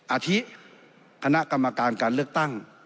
อาทิคณะกรรมการการเลือกตั้ง